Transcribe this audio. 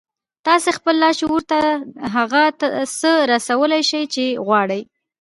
تاسې خپل لاشعور ته هغه څه رسولای شئ چې غواړئ